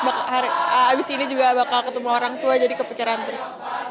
abis ini juga bakal ketemu orang tua jadi keputeran terus